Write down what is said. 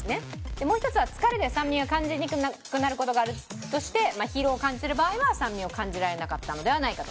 でもう一つは疲れで酸味を感じにくくなる事があるとして疲労を感じてる場合は酸味を感じられなかったのではないかと。